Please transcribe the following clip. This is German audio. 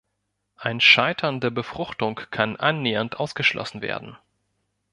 Ein Scheitern der Befruchtung kann annähernd ausgeschlossen werden.